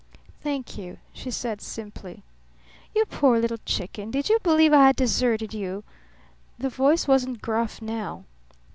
"Thank you," she said, simply. "You poor little chicken, did you believe I had deserted you?" The voice wasn't gruff now.